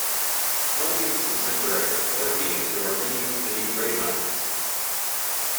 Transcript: One of these is contemporary, but the remaining two are re-used medieval grave monuments.